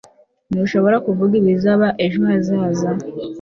ntushobora kuvuga ibizaba ejo hazaza